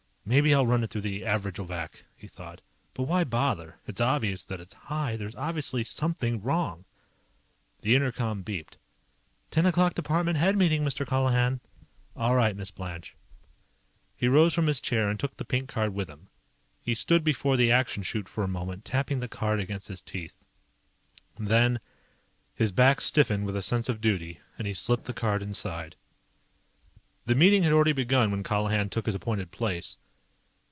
Maybe I'll run it through the Averagovac, he thought. But why bother? It's obvious that it's high. There's obviously SOMETHING WRONG. The inter com beeped. "Ten o'clock department head meeting, Mr. Colihan." [Illustration: The steel brain was having more fun than people.] "All right, Miss Blanche." He rose from his chair and took the pink card with him. He stood before the Action Chute for a moment, tapping the card against his teeth. Then, his back stiffened with a sense of duty, and he slipped the card inside. The meeting had already begun when Colihan took his appointed place.